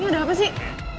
ini udah apa sih